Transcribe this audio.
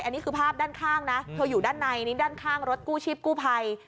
อันนี้คือภาพด้านข้างนะเธออยู่ด้านในนี่ด้านข้างรถกู้ชีพกู้ภัย